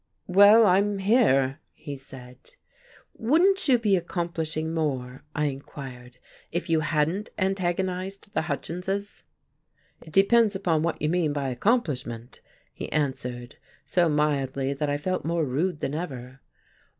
"Well, I'm here," he said. "Wouldn't you be accomplishing more," I inquired, "if you hadn't antagonized the Hutchinses?" "It depends upon what you mean by accomplishment," he answered, so mildly that I felt more rued than ever.